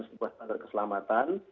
sebuah standar keselamatan